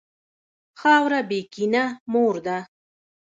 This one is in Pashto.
خاوره بېکینه مور ده.